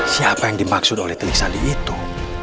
siapa yang dimaksud oleh teli sadi itu